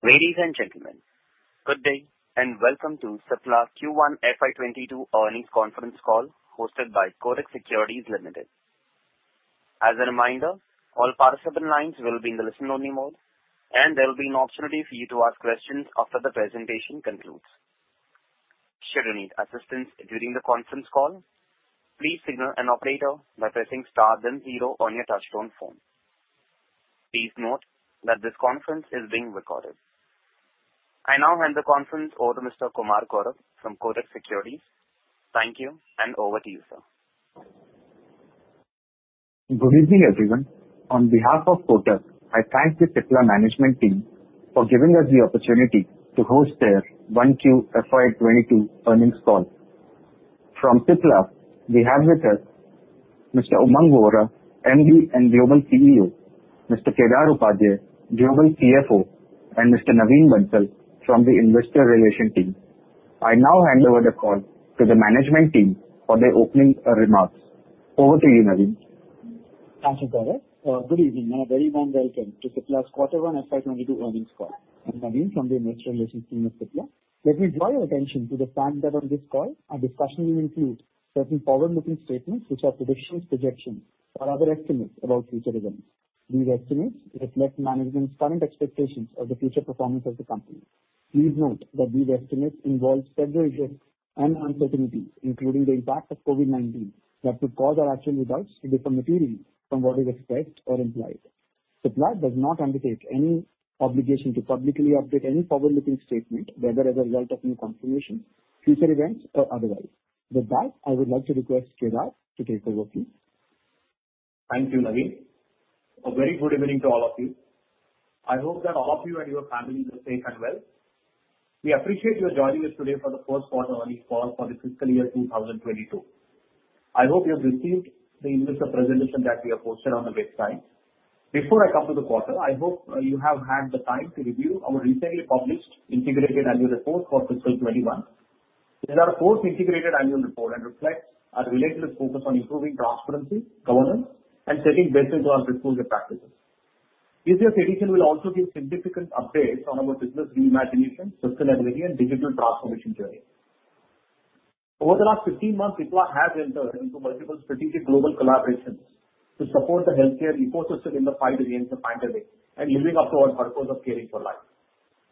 Ladies and gentlemen, good day and welcome to Cipla Q1 FY22 earnings conference call hosted by Kotak Securities Limited. As a reminder, all participant lines will be in the listen only mode, and there will be an opportunity for you to ask questions after the presentation concludes. Should you need assistance during the conference call, please signal an operator by pressing star then zero on your touchtone phone. Please note that this conference is being recorded. I now hand the conference over to Mr. Kumar Gaurav from Kotak Securities. Thank you, and over to you, sir. Good evening, everyone. On behalf of Kotak, I thank the Cipla management team for giving us the opportunity to host their Q1 FY 2022 earnings call. From Cipla, we have with us Mr. Umang Vohra, MD and Global CEO, Mr. Kedar Upadhye, Global CFO, and Mr. Naveen Bansal from the investor relations team. I now hand over the call to the management team for their opening remarks. Over to you, Naveen. Thank you, Gaurav. Good evening and a very warm welcome to Cipla's Q1 FY22 earnings call. I'm Naveen from the investor relations team of Cipla. Let me draw your attention to the fact that on this call our discussion will include certain forward-looking statements which are predictions, projections or other estimates about future events. These estimates reflect management's current expectations of the future performance of the company. Please note that these estimates involve several risks and uncertainties, including the impact of COVID-19, that could cause our actual results to differ materially from what is expressed or implied. Cipla does not undertake any obligation to publicly update any forward-looking statement, whether as a result of new information, future events or otherwise. With that, I would like to request Kedar to take over, please. Thank you, Naveen. A very good evening to all of you. I hope that all of you and your families are safe and well. We appreciate you joining us today for the first quarter earnings call for the fiscal year 2022. I hope you have received the investor presentation that we have posted on the website. Before I come to the quarter, I hope you have had the time to review our recently published integrated annual report for fiscal 21. This is our fourth integrated annual report and reflects our relentless focus on improving transparency, governance and setting basis on our disclosure practices. This year's edition will also give significant updates on our business reimagination, sustainability and digital transformation journey. Over the last 15 months, Cipla has entered into multiple strategic global collaborations to support the healthcare ecosystem in the fight against the pandemic and living up to our purpose of caring for life.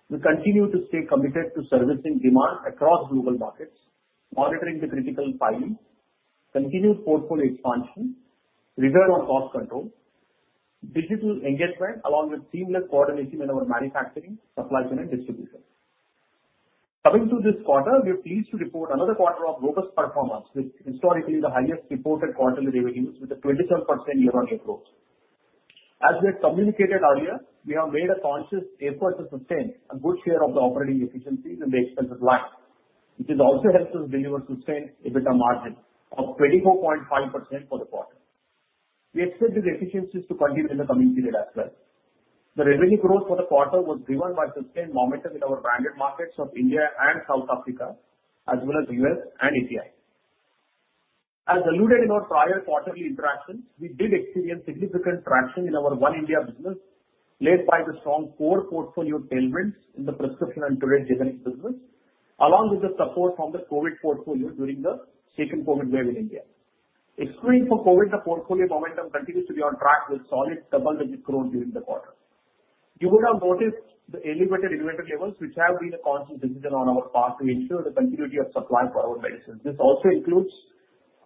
We continue to stay committed to servicing demand across global markets, monitoring the critical filings, continued portfolio expansion, rigor on cost control, digital engagement along with seamless coordination in our manufacturing, supply chain and distribution. Coming to this quarter, we are pleased to report another quarter of robust performance with historically the highest reported quarterly revenues with a 27% year on year growth. As we had communicated earlier, we have made a conscious effort to sustain a good share of the operating efficiencies and the expenses lacked, which has also helped us deliver sustained EBITDA margin of 24.5% for the quarter. We expect these efficiencies to continue in the coming period as well. The revenue growth for the quarter was driven by sustained momentum in our branded markets of India and South Africa, as well as U.S. and API. As alluded in our prior quarterly interactions, we did experience significant traction in our One India business, led by the strong core portfolio tailwinds in the prescription and trade generics business, along with the support from the COVID portfolio during the second COVID wave in India. Excluding for COVID, the portfolio momentum continues to be on track with solid double-digit growth during the quarter. You would have noticed the elevated inventory levels, which have been a conscious decision on our part to ensure the continuity of supply for our medicines. This also includes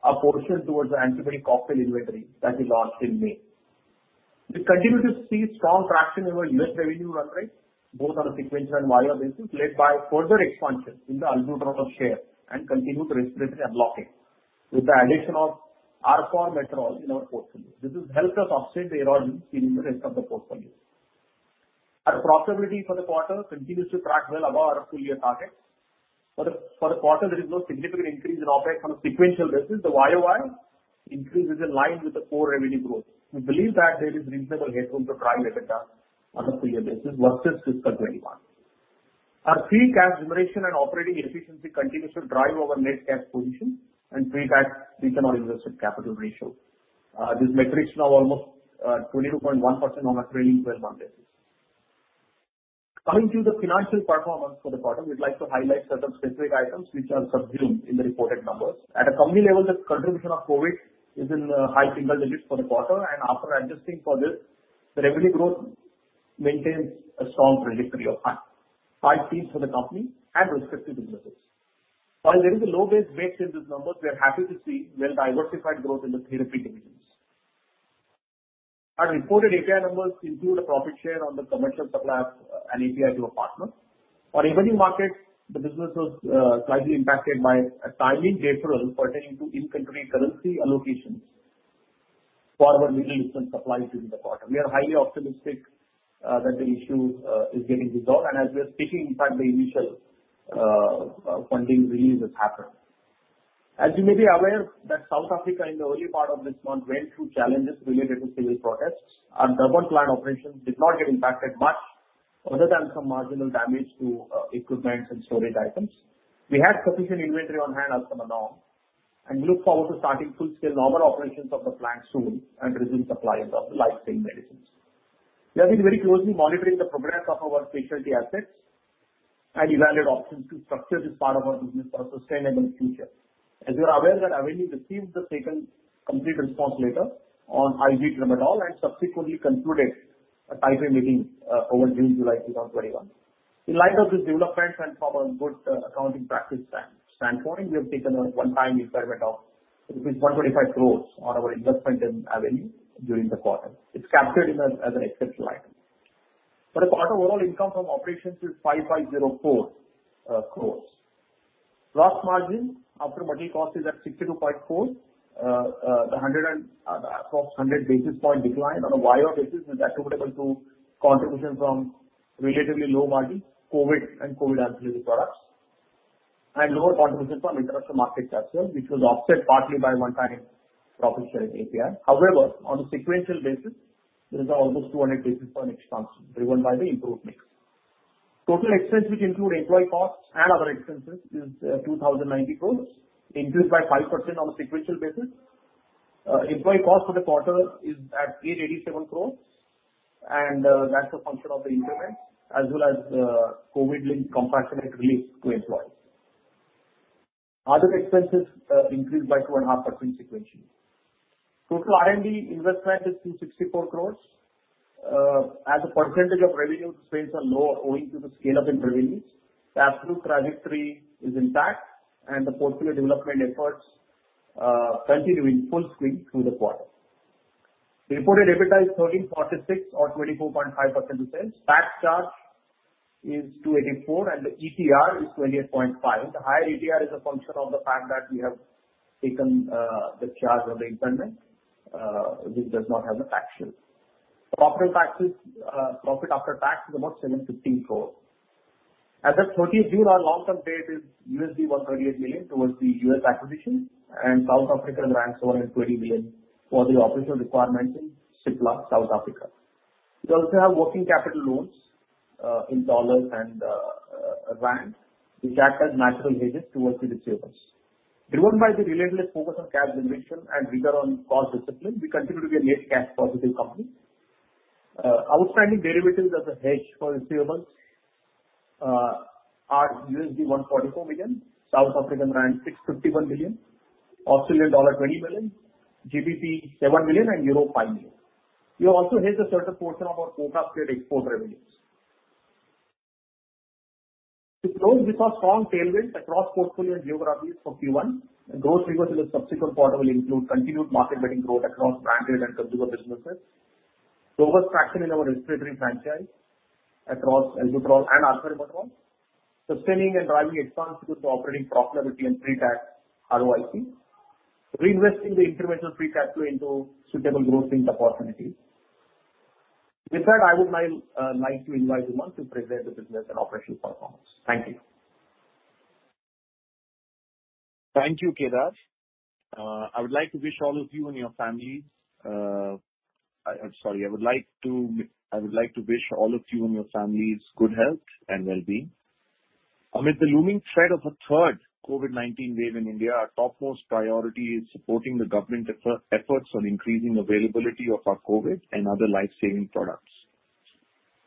a portion towards the antibody cocktail inventory that we launched in May. We continue to see strong traction in our U.S. revenue run rate, both on a sequential and year-over-year basis, led by further expansion in the albuterol share and continued respiratory unlocking with the addition of arformoterol in our portfolio. This has helped us offset the erosion seen in the rest of the portfolio. Our profitability for the quarter continues to track well above our full year targets. For the quarter, there is no significant increase in OpEx on a sequential basis. The year-over-year increase is in line with the core revenue growth. We believe that there is reasonable headroom to drive EBITDA on a full year basis versus FY 2021. Our free cash generation and operating efficiency continues to drive our net cash position and free that return on invested capital ratio. This metric is now almost 22.1% on a trailing 12-month basis. Coming to the financial performance for the quarter, we would like to highlight certain specific items which are subsumed in the reported numbers. At a company level, the contribution of COVID is in high single digits for the quarter and after adjusting for this, the revenue growth maintains a strong trajectory of high teens for the company and respective businesses. While there is a low base baked in these numbers, we are happy to see well-diversified growth in the therapy divisions. Our reported API numbers include a profit share on the commercial supplies and API to partners. On emerging markets, the business was slightly impacted by a timing deferral pertaining to in-country currency allocations for our middle eastern supply during the quarter. We are highly optimistic that the issue is getting resolved and as we are speaking, in fact, the initial funding release has happened. As you may be aware that South Africa in the early part of this month went through challenges related to civil protests. Our Durban plant operations did not get impacted much other than some marginal damage to equipment and storage items. We had sufficient inventory on hand as from a norm. We look forward to starting full-scale normal operations of the plant soon and resume supplies of life-saving medicines. We have been very closely monitoring the progress of our specialty assets and evaluate options to structure this part of our business for a sustainable future. As you are aware that Avenue Therapeutics received the second complete response letter on IV tramadol and subsequently concluded a meeting over June, July 2021. In light of this development and from a good accounting practice standpoint, we have taken a one-time impairment of between rupees 125 crores on our investment in Avenue Therapeutics during the quarter. It's captured as an expense line. The quarter overall income from operations is 5,504 crores. Gross margin after body cost is at 62.4%, approximately 100 basis point decline on a Y-O-Y basis was attributable to contribution from relatively low-margin COVID and COVID ancillary products and lower contribution from international market structures, which was offset partly by one-time profit share in API. On a sequential basis, this is almost 200 basis point expansion, driven by the improved mix. Total expense, which include employee costs and other expenses, is 2,090 crores, increased by 5% on a sequential basis. Employee cost for the quarter is at 887 crores, and that's a function of the increments as well as COVID-linked compassionate relief to employees. Other expenses increased by 2.5% sequentially. Total R&D investment is 264 crores. As a percentage of revenue, spends are lower owing to the scale-up in revenues. The absolute trajectory is intact, the portfolio development efforts continuing full swing through the quarter. Reported EBITDA is 1,346 or 24.5% sales. Tax charge is 284 and the ETR is 28.5. The higher ETR is a function of the fact that we have taken the charge on the increment, which does not have the tax shield. Profit after tax is about 715 crores. As of 30th June, our long-term debt is $138 million towards the U.S. acquisition and 120 million for the operational requirements in Cipla South Africa. We also have working capital loans in US dollars and South African rands, which act as natural hedges towards the receivables. Driven by the relentless focus on cash generation and rigor on cost discipline, we continue to be a net cash positive company. Outstanding derivatives as a hedge for receivables are $144 million, South African rand 651 million, Australian dollar 20 million, GBP 7 million, and euro 5 million. We also hedge a certain portion of our quota trade export revenues. The growth we saw strong tailwinds across portfolio geographies for Q1, and growth figures in the subsequent quarter will include continued market-leading growth across branded and consumer businesses, robust traction in our respiratory franchise across albuterol and arformoterol, sustaining and driving expansions to operating profitability and pre-tax ROIC, reinvesting the incremental free cash flow into suitable growth in the opportunities. With that, I would like to invite Umang to present the business and operational performance. Thank you. Thank you, Kedar. I would like to wish all of you and your families good health and well-being. Amid the looming threat of a third COVID-19 wave in India, our topmost priority is supporting the government efforts on increasing availability of our COVID and other life-saving products.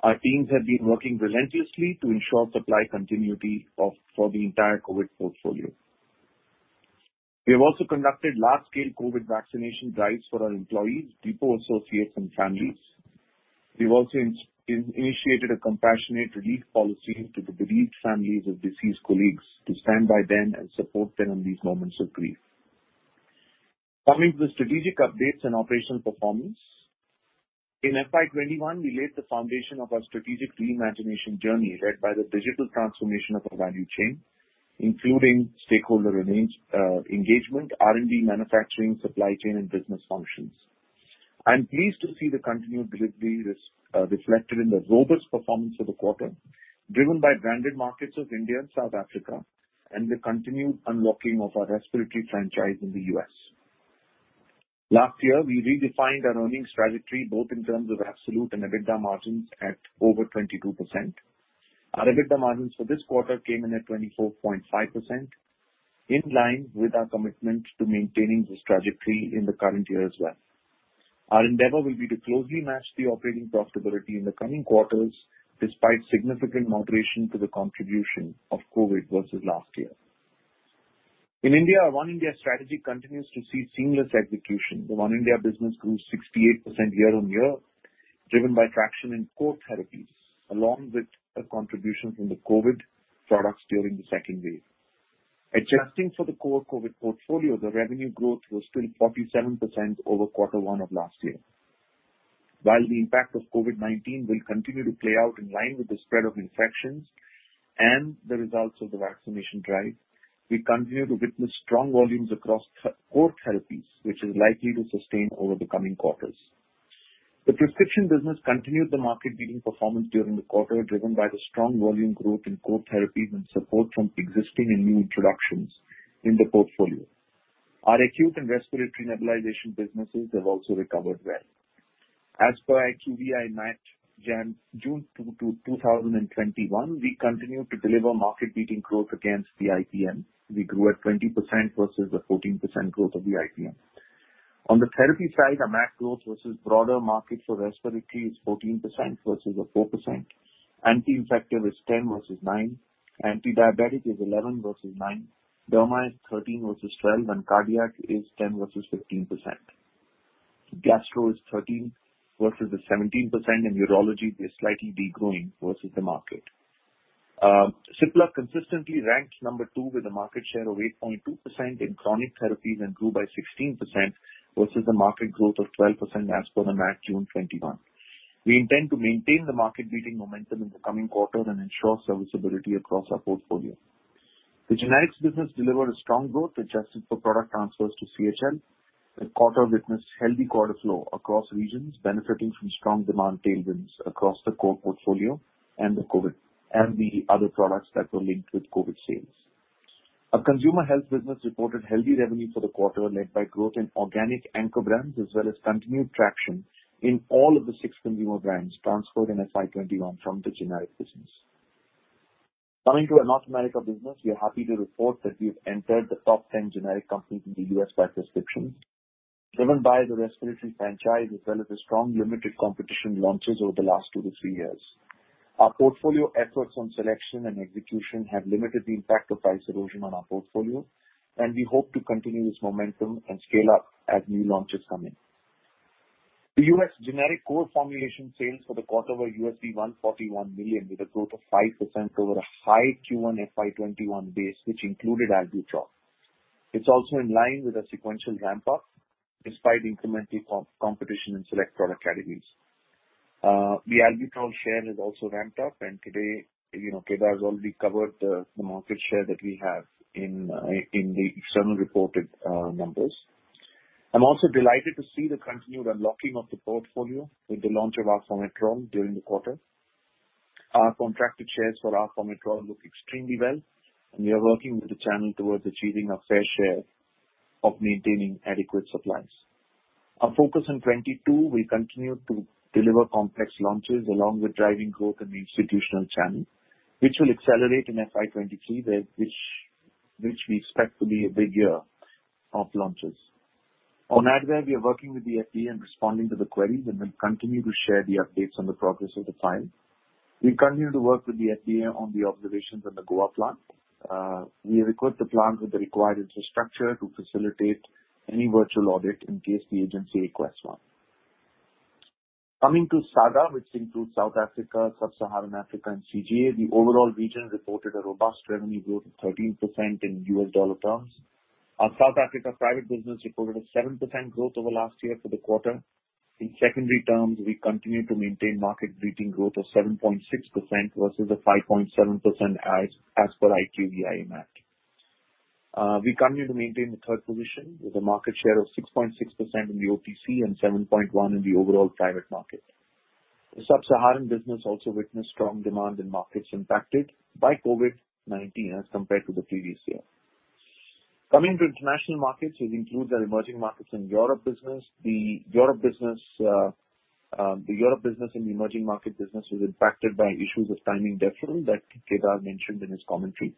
Our teams have been working relentlessly to ensure supply continuity for the entire COVID portfolio. We have also conducted large-scale COVID vaccination drives for our employees, depot associates, and families. We've also initiated a compassionate relief policy to the bereaved families of deceased colleagues to stand by them and support them in these moments of grief. Coming to the strategic updates and operational performance. In FY 2021, we laid the foundation of our strategic reimagination journey led by the digital transformation of our value chain, including stakeholder engagement, R&D, manufacturing, supply chain, and business functions. I'm pleased to see the continued delivery reflected in the robust performance of the quarter, driven by branded markets of India and South Africa and the continued unlocking of our respiratory franchise in the U.S. Last year, we redefined our earnings trajectory both in terms of absolute and EBITDA margins at over 22%. Our EBITDA margins for this quarter came in at 24.5%, in line with our commitment to maintaining this trajectory in the current year as well. Our endeavor will be to closely match the operating profitability in the coming quarters, despite significant moderation to the contribution of COVID versus last year. In India, our One India strategy continues to see seamless execution. The One India business grew 68% Y-O-Y, driven by traction in core therapies, along with a contribution from the COVID products during the second wave. Adjusting for the core COVID portfolio, the revenue growth was still 47% over quarter one of last year. While the impact of COVID-19 will continue to play out in line with the spread of infections and the results of the vaccination drive, we continue to witness strong volumes across core therapies, which is likely to sustain over the coming quarters. The prescription business continued the market-leading performance during the quarter, driven by the strong volume growth in core therapies and support from existing and new introductions in the portfolio. Our acute and respiratory nebulization businesses have also recovered well. As per IQVIA MAT June 2021, we continue to deliver market-leading growth against the IPM. We grew at 20% versus the 14% growth of the IPM. On the therapy side, our MAT growth versus broader market for respiratory is 14% versus a 4%. Anti-infective is 10% versus nine, antidiabetic is 11% versus nine, derma is 13% versus 12%. Cardiac is 10% versus 15%. Gastro is 13% versus a 17%. Urology is slightly de-growing versus the market. Cipla consistently ranks number two with a market share of 8.2% in chronic therapies and grew by 16% versus the market growth of 12% as per the MAT June '21. We intend to maintain the market-leading momentum in the coming quarter and ensure serviceability across our portfolio. The generics business delivered a strong growth, adjusted for product transfers to CHL. The quarter witnessed healthy quarter flow across regions, benefiting from strong demand tailwinds across the core portfolio and the COVID, the other products that were linked with COVID sales. Our consumer health business reported healthy revenue for the quarter, led by growth in organic anchor brands, as well as continued traction in all of the six consumer brands transferred in FY 2021 from the generic business. Coming to our North America business, we are happy to report that we've entered the top 10 generic companies in the U.S. by prescriptions, driven by the respiratory franchise as well as the strong limited competition launches over the last two to three years. Our portfolio efforts on selection and execution have limited the impact of price erosion on our portfolio, and we hope to continue this momentum and scale up as new launches come in. The U.S. generic core formulation sales for the quarter were $141 million, with a growth of 5% over a high Q1 FY 2021 base, which included albuterol. It's also in line with a sequential ramp-up despite incremental competition in select product categories. The albuterol share has also ramped up, and today Kedar has already covered the market share that we have in the external reported numbers. I'm also delighted to see the continued unlocking of the portfolio with the launch of arformoterol during the quarter. Our contracted shares for arformoterol look extremely well, and we are working with the channel towards achieving our fair share of maintaining adequate supplies. Our focus in 2022 will continue to deliver complex launches along with driving growth in the institutional channel, which will accelerate in FY 2023, which we expect to be a big year of launches. On Advair, we are working with the FDA and responding to the queries and will continue to share the updates on the progress of the file. We continue to work with the FDA on the observations on the Goa plant. We equipped the plant with the required infrastructure to facilitate any virtual audit in case the agency requests one. Coming to SAGA, which includes South Africa, Sub-Saharan Africa, and CGA, the overall region reported a robust revenue growth of 13% in U.S. dollar terms. Our South Africa private business reported a 7% growth over last year for the quarter. In secondary terms, we continue to maintain market-leading growth of 7.6% versus a 5.7% as per IQVIA MAT. We continue to maintain the third position with a market share of 6.6% in the OTC and 7.1% in the overall private market. The Sub-Saharan business also witnessed strong demand in markets impacted by COVID-19 as compared to the previous year. Coming to international markets, which includes our emerging markets and Europe business. The Europe business and the emerging market business was impacted by issues of timing deferral that Kedar mentioned in his commentary.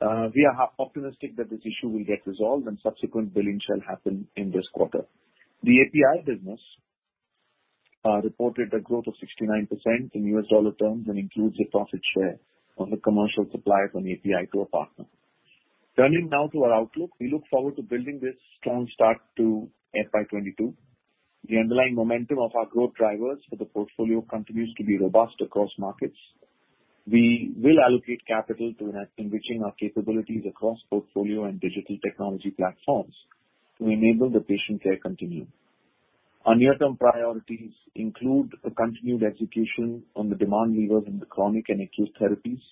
We are optimistic that this issue will get resolved and subsequent billing shall happen in this quarter. The API business reported a growth of 69% in US dollar terms and includes a profit share on the commercial supply from the API to a partner. Turning now to our outlook. We look forward to building this strong start to FY 2022. The underlying momentum of our growth drivers for the portfolio continues to be robust across markets. We will allocate capital to enriching our capabilities across portfolio and digital technology platforms to enable the patient care continuum. Our near-term priorities include a continued execution on the demand levers in the chronic and acute therapies,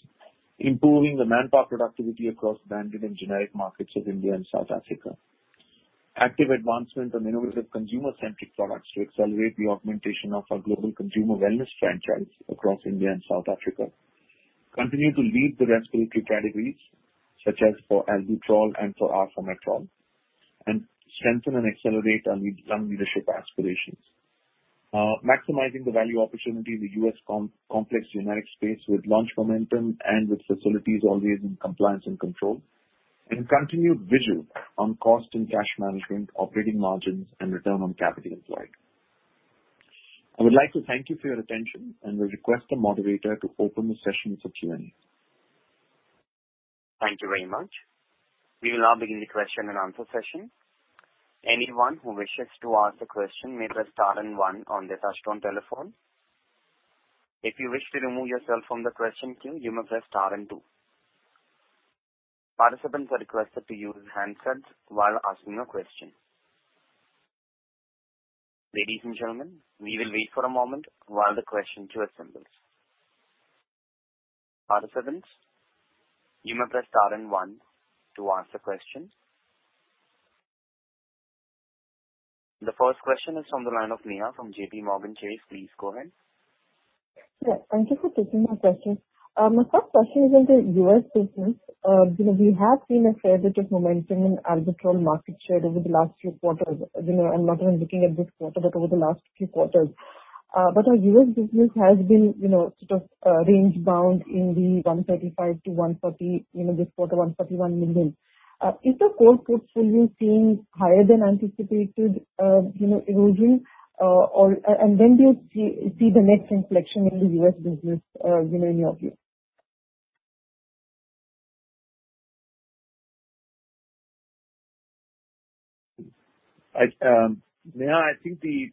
improving the manpower productivity across branded and generic markets of India and South Africa. Active advancement on innovative consumer-centric products to accelerate the augmentation of our global consumer wellness franchise across India and South Africa. Continue to lead the respiratory categories such as for albuterol and for arformoterol, and strengthen and accelerate our lung leadership aspirations. Maximizing the value opportunity in the U.S. complex generics space with launch momentum and with facilities always in compliance and control, and continued vigil on cost and cash management, operating margins, and return on capital employed. I would like to thank you for your attention and will request the moderator to open the session for Q&A. Thank you very much. We will now begin the question and answer session. Anyone who wishes to ask a question may press star and one on their touch-tone telephone. If you wish to remove yourself from the question queue, you may press star and two. Participants are requested to use handsets while asking a question. Ladies and gentlemen, we will wait for a moment while the question queue assembles. Participants, you may press star and one to ask a question. The first question is on the line of Neha from JPMorgan Chase. Please go ahead. Yeah. Thank you for taking my questions. My first question is on the U.S. business. We have seen a fair bit of momentum in albuterol market share over the last few quarters. I'm not even looking at this quarter, but over the last few quarters. Our U.S. business has been sort of range bound in the $135 million-$140 million, this quarter, $131 million. Is the core script still being higher than anticipated erosion? When do you see the next inflection in the U.S. business in your view? Neha, I think the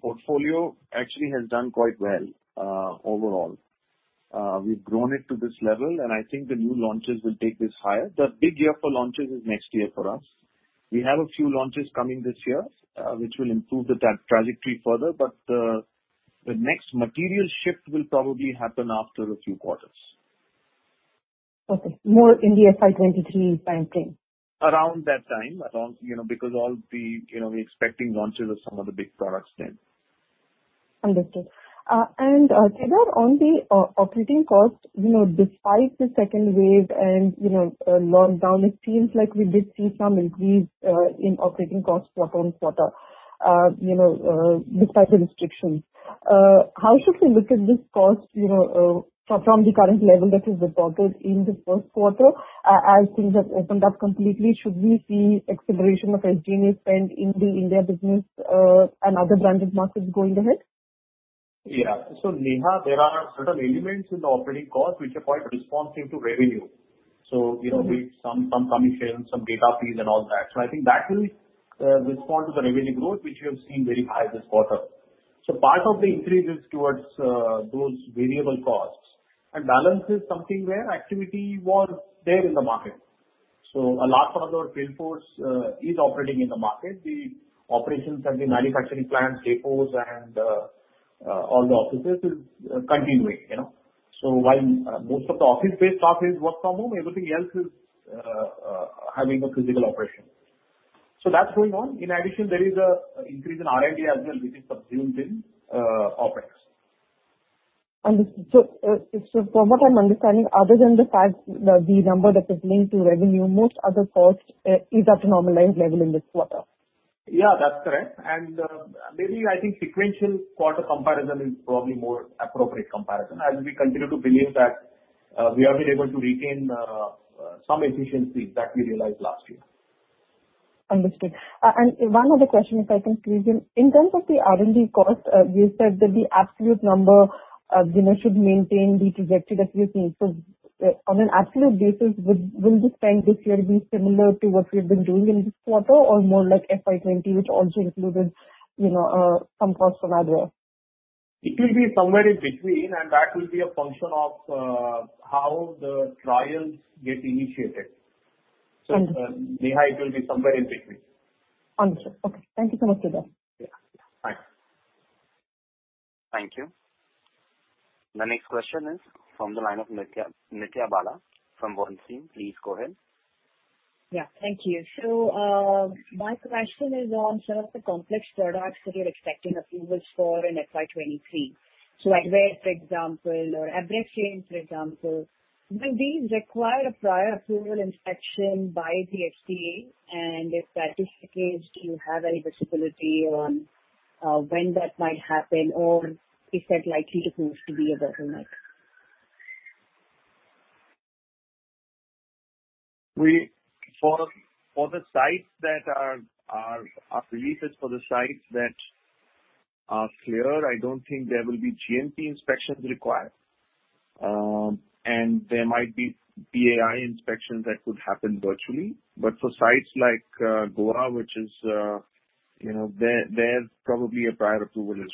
portfolio actually has done quite well overall. We've grown it to this level. I think the new launches will take this higher. The big year for launches is next year for us. We have a few launches coming this year, which will improve the trajectory further, but the next material shift will probably happen after a few quarters. Okay. More in the FY 2023 timeframe. Around that time because we're expecting launches of some of the big products then. Understood. Kedar Upadhye, on the operating cost, despite the second wave and lockdown, it seems like we did see some increase in operating costs quarter-on-quarter despite the restrictions. How should we look at this cost from the current level that is reported in this first quarter as things have opened up completely? Should we see acceleration of SG&A spend in the India business and other branded markets going ahead? Yeah. Neha, there are certain elements in the operating cost which are quite responsive to revenue. Some commissions, some data feeds and all that. I think that will respond to the revenue growth, which we have seen very high this quarter. Part of the increase is towards those variable costs and balance is something where activity was there in the market. A large part of our field force is operating in the market. The operations and the manufacturing plants, depots, and all the offices is continuing. While most of the office-based staff is work from home, everything else is having a physical operation. That's going on. In addition, there is an increase in R&D as well, which is subsumed in OpEx. Understood. From what I'm understanding, other than the fact the number that is linked to revenue, most other costs is at a normalized level in this quarter. Yeah, that's correct. Maybe I think sequential quarter comparison is probably more appropriate comparison as we continue to believe that we have been able to regain some efficiency that we realized last year. Understood. One other question, if I can squeeze in. In terms of the R&D cost, you said that the absolute number should maintain the trajectory that we've seen. On an absolute basis, will the spend this year be similar to what we've been doing in this quarter or more like FY 2020, which also included some costs from InvaGen? It will be somewhere in between and that will be a function of how the trials get initiated. Understood. Neha, it will be somewhere in between. Understood. Okay. Thank you so much, Kedar. Yeah. Bye. Thank you. The next question is from the line of Nithya Balasubramanian from Bernstein. Please go ahead. Yeah. Thank you. My question is on some of the complex products that you're expecting approvals for in FY 2023. Advair, for example, or Abraxane, for example. Will these require a prior approval inspection by the FDA? If that is the case, do you have any visibility on when that might happen or is that likely to prove to be a bottleneck? For the sites that are clear, I don't think there will be GMP inspections required. There might be PAI inspections that could happen virtually. For sites like Goa, there's probably a prior approval is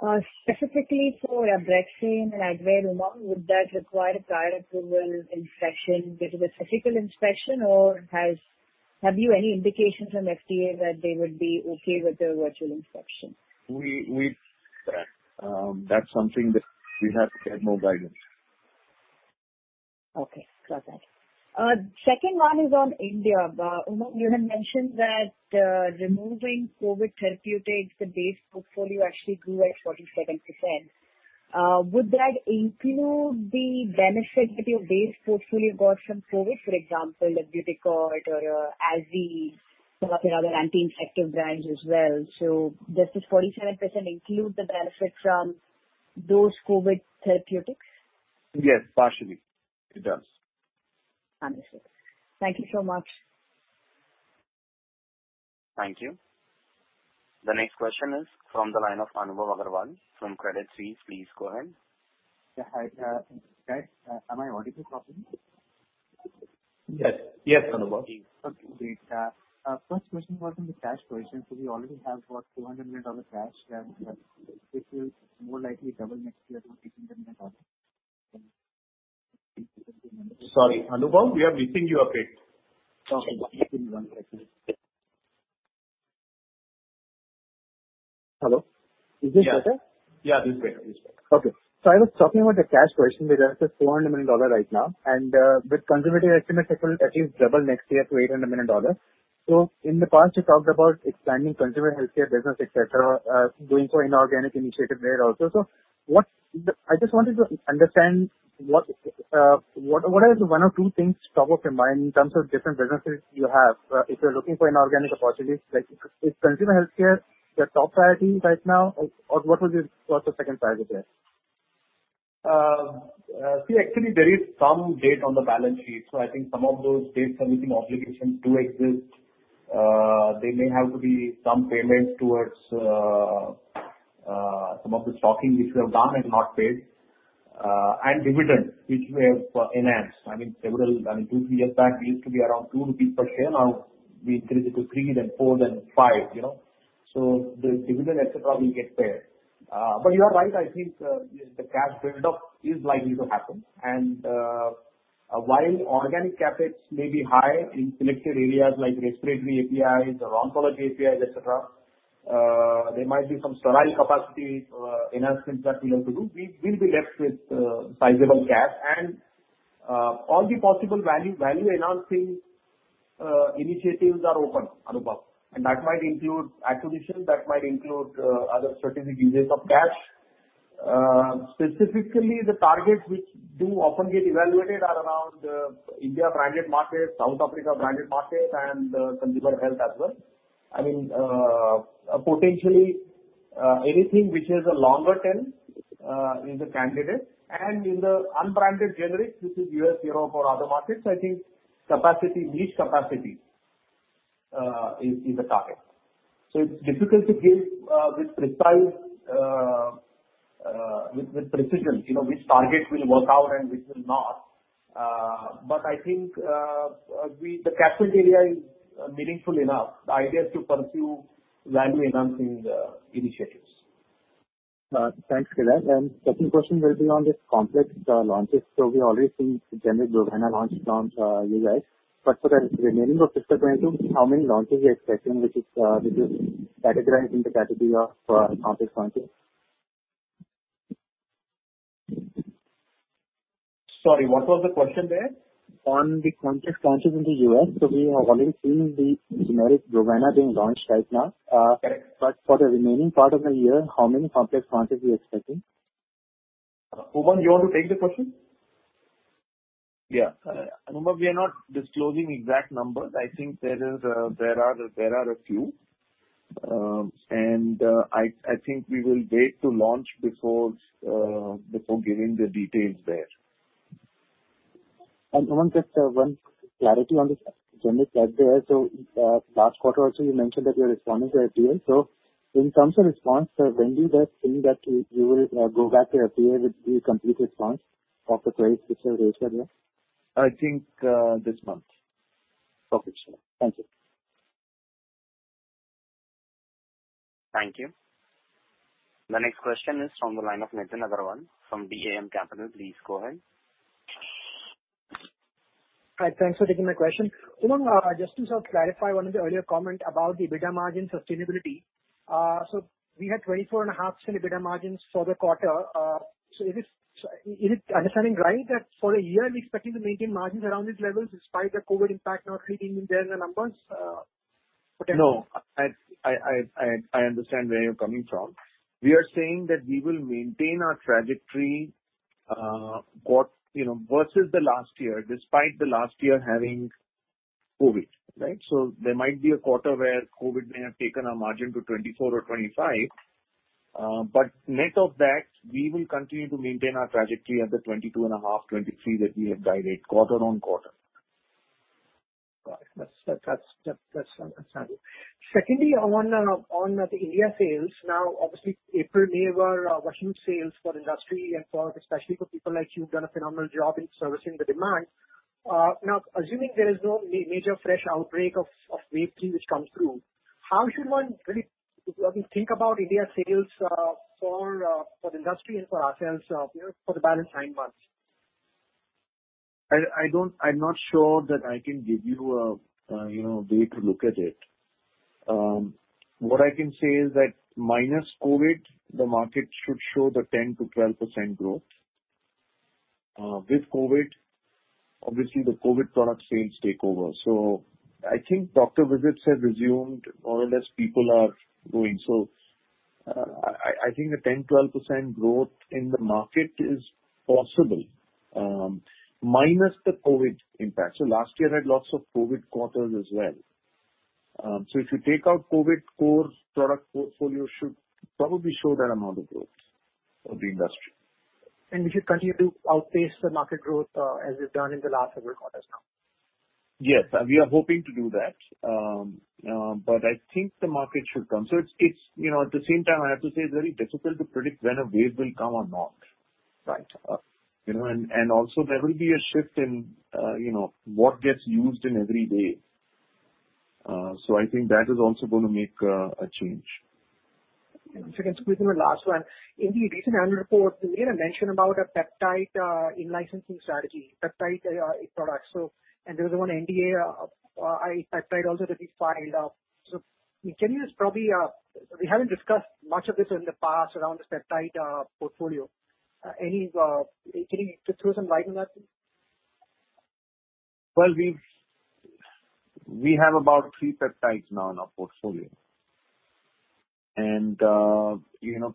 required Specifically for Abraxane and Advair, Umang, would that require a prior approval inspection? Is it a physical inspection or have you any indications from FDA that they would be okay with a virtual inspection? That's something that we have to get more guidance. Okay. Got that. Second one is on India. Umang, you had mentioned that removing COVID therapeutics, the base portfolio actually grew at 47%. Would that include the benefit that your base portfolio got from COVID, for example, Budecort or Azee, some of your other anti-infective brands as well. Does this 47% include the benefit from those COVID therapeutics? Yes, partially. It does. Understood. Thank you so much. Thank you. The next question is from the line of Anubhav Agarwal from Credit Suisse. Please go ahead. Yeah. Hi, guys. Is my audio properly? Yes, Anubhav. Okay, great. First question was on the cash position. We already have about $400 million cash. This will more likely double next year to $800 million. Sorry, Anubhav. We are missing you. Okay. Okay. Give me one second. Hello. Is this better? Yeah. This is better. Okay. I was talking about the cash position, which is at INR 400 million right now and with conservative estimates, it will at least double next year to INR 800 million. In the past, you talked about expanding consumer healthcare business, et cetera, doing so inorganic initiative there also. I just wanted to understand, what are the one or two things top of your mind in terms of different businesses you have? If you're looking for inorganic opportunities, like is consumer healthcare your top priority right now, or what would be sort of second priority there? See, actually there is some debt on the balance sheet. I think some of those debt servicing obligations do exist. There may have to be some payments towards some of the stocking which we have done and not paid, and dividends, which we have enhanced. I mean, two, three years back, we used to be around 2 rupees per share. Now we increased it to 3, then 4, then 5. The dividend, et cetera, will get paid. You are right, I think the cash buildup is likely to happen. While organic CapEx may be high in selected areas like respiratory APIs or oncology APIs, et cetera, there might be some sterile capacity enhancements that we have to do. We will be left with sizable cash and all the possible value-enhancing initiatives are open, Anubhav. That might include acquisitions, that might include other strategic uses of cash. Specifically, the targets which do often get evaluated are around India branded markets, South Africa branded markets, and consumer health as well. I mean, potentially anything which is a longer term is a candidate and in the unbranded generics, which is U.S., Europe or other markets, I think niche capacity is the target. It's difficult to give with precision, which target will work out and which will not. I think the capital area is meaningful enough, the idea is to pursue value-enhancing initiatives. Thanks, Kedar. Second question will be on this complex launches. We already see generic Brovana launched on you guys. For the remaining of FY 2022, how many launches you're expecting, which is categorized in the category of complex launches? Sorry, what was the question there? On the complex launches in the U.S. We have already seen the generic Brovana being launched right now. Correct. For the remaining part of the year, how many complex launches are you expecting? Umang, you want to take the question? Yeah. Anubhav, we are not disclosing exact numbers. I think there are a few. I think we will wait to launch before giving the details there. Umang, just one clarity on the generic side there. Last quarter also, you mentioned that you're responding to FDA. In terms of response, when do you guys think that you will go back to FDA with the complete response of the queries which were raised earlier? I think this month. Perfect. Thank you. Thank you. The next question is from the line of Nitin Agarwal from DAM Capital. Please go ahead. Hi, thanks for taking my question. Umang, just to sort of clarify one of the earlier comment about the EBITDA margin sustainability. We had 24.5% EBITDA margins for the quarter. Is it understanding right that for a year we're expecting to maintain margins around these levels despite the COVID impact not hitting in general numbers? No. I understand where you're coming from. We are saying that we will maintain our trajectory versus the last year, despite the last year having COVID, right? There might be a quarter where COVID may have taken our margin to 24% or 25%. Net of that, we will continue to maintain our trajectory at the 22.5%, 23% that we have guided quarter-on-quarter. Got it. That's understandable. Secondly, on the India sales. Obviously, April, May were huge sales for industry and especially for people like you who've done a phenomenal job in servicing the demand. Assuming there is no major fresh outbreak of wave three which comes through, how should one really think about India sales for the industry and for ourselves for the balance nine months? I'm not sure that I can give you a way to look at it. What I can say is that minus COVID, the market should show the 10%-12% growth. With COVID, obviously the COVID product sales take over. I think doctor visits have resumed, more or less people are going. I think a 10%, 12% growth in the market is possible minus the COVID impact. Last year had lots of COVID quarters as well. If you take out COVID, core product portfolio should probably show that amount of growth for the industry. You should continue to outpace the market growth as you've done in the last several quarters now. Yes, we are hoping to do that. I think the market should come. At the same time, I have to say it's very difficult to predict when a wave will come or not, right? Also there will be a shift in what gets used in every day. I think that is also going to make a change. Second, this will be my last one. In the recent annual report, you made a mention about a peptide in licensing strategy, peptide products. There was one ANDA peptide also that we filed. We haven't discussed much of this in the past around the peptide portfolio. Can you just throw some light on that, please? Well, we have about three peptides now in our portfolio.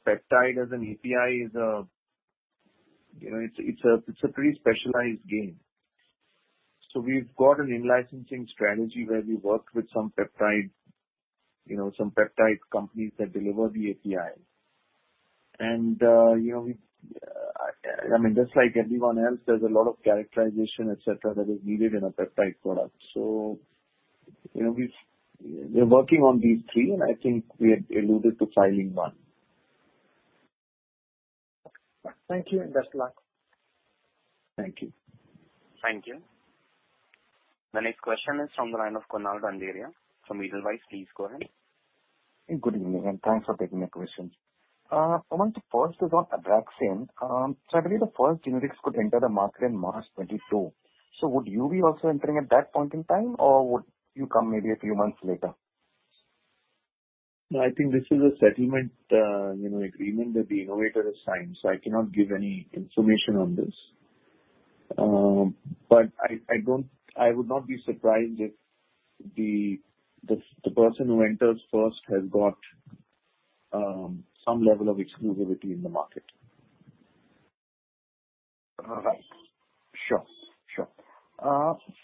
Peptide as an API is a pretty specialized game. We've got an in-licensing strategy where we worked with some peptide companies that deliver the APIs. Just like everyone else, there's a lot of characterization, et cetera, that is needed in a peptide product. We're working on these three, and I think we had alluded to filing one. Okay. Thank you, and best luck. Thank you. Thank you. The next question is from the line of Kunal Randeria from Edelweiss. Please go ahead. Good evening. Thanks for taking my question. I want to first talk about Abraxane. I believe the first generics could enter the market in March 2022. Would you be also entering at that point in time, or would you come maybe a few months later? No, I think this is a settlement agreement that the innovator has signed, so I cannot give any information on this. I would not be surprised if the person who enters first has got some level of exclusivity in the market. All right. Sure.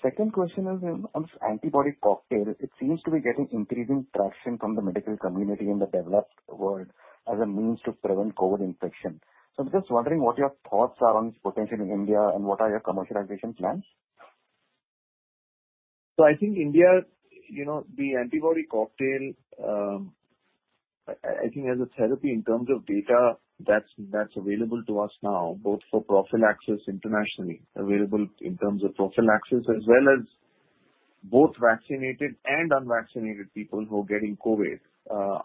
Second question is on this antibody cocktail. It seems to be getting increasing traction from the medical community in the developed world as a means to prevent COVID infection. I'm just wondering what your thoughts are on its potential in India, and what are your commercialization plans? I think India, the antibody cocktail, I think as a therapy in terms of data that's available to us now, both for prophylaxis internationally, available in terms of prophylaxis, as well as both vaccinated and unvaccinated people who are getting COVID,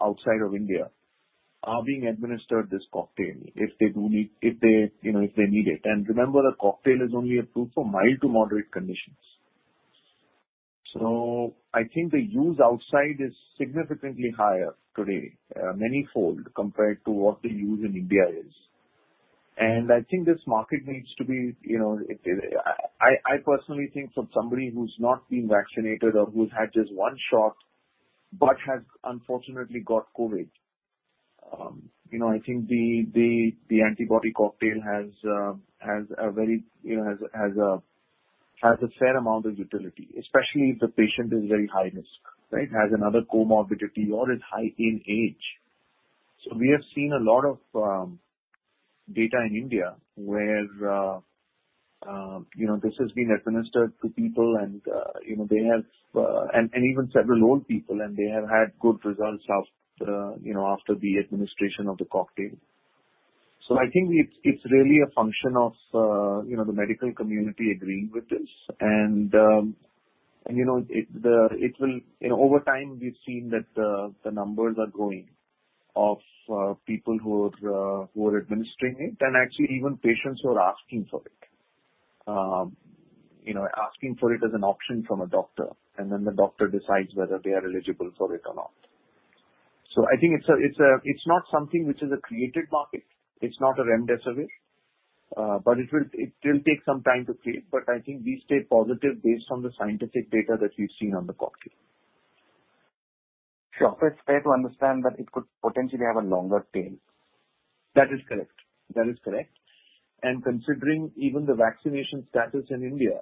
outside of India, are being administered this cocktail if they need it. Remember, the cocktail is only approved for mild to moderate conditions. I think the use outside is significantly higher today, manyfold compared to what the use in India is. I personally think for somebody who's not been vaccinated or who's had just one shot but has unfortunately got COVID, I think the antibody cocktail has a fair amount of utility, especially if the patient is very high risk, right? The patient has another comorbidity or is high in age. We have seen a lot of data in India where this has been administered to people and even several old people, and they have had good results after the administration of the cocktail. I think it's really a function of the medical community agreeing with this. Over time, we've seen that the numbers are growing of people who are administering it, and actually even patients who are asking for it. Asking for it as an option from a doctor, and then the doctor decides whether they are eligible for it or not. I think it's not something which is a created market. It's not a Remdesivir. It will take some time to create, but I think we stay positive based on the scientific data that we've seen on the cocktail. Sure. I try to understand that it could potentially have a longer tail. That is correct. Considering even the vaccination status in India,